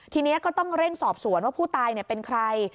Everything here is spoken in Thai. ทีนี้ก็ต้องเร่งสอบสวนว่าผู้ตายเป็นใคร